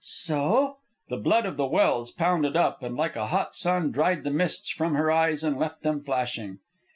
"So?" The blood of the Welse pounded up, and like a hot sun dried the mists from her eyes and left them flashing.